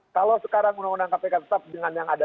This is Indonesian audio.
kalau sekarang undang undang kpk tetap dengan yang ada